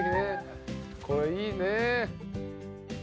これいいね。